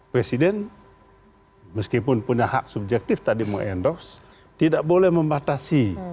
presiden meskipun punya hak subjektif tadi mengendorse tidak boleh membatasi